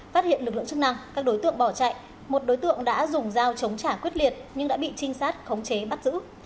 phát hiện lực lượng chức năng các đối tượng bỏ chạy một đối tượng đã dùng dao chống trả quyết liệt nhưng đã bị trinh sát khống chế bắt giữ